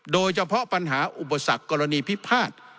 โดยเฉพาะปัญหาอุปสรรคกรณีพิพาท